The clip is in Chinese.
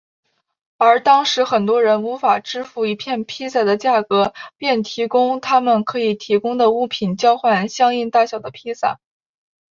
而当时很多人无法支付一片披萨的价格便提供他们可以提供的物品交换相应大小的披萨。